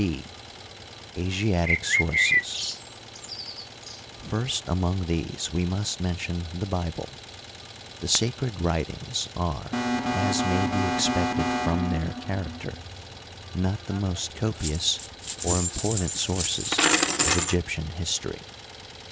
b, Asiatic Sources. — First among these we must mention the Bible. The Sacred Writings are, as may be expected from their character, not the most copious or important sources of Egyptian history.